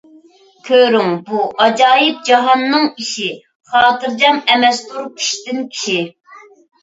كۆرۈڭ، بۇ ئاجايىپ جاھاننىڭ ئىشى، خاتىرجەم ئەمەستۇر كىشىدىن كىشى.